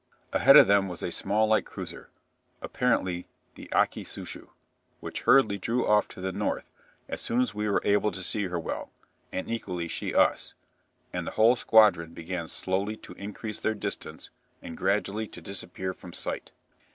Ahead of them was a small, light cruiser, apparently the 'Akitsushu,' which hurriedly drew off to the north as soon as we were able to see her well (and equally she us), and the whole squadron began slowly to increase their distance and gradually to disappear from sight."